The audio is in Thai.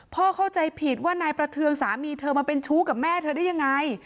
เข้าใจผิดว่านายประเทืองสามีเธอมาเป็นชู้กับแม่เธอได้ยังไง